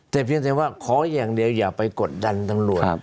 แต่เพียงแต่ว่าขออย่างเดียวอย่าไปกดดันตำรวจ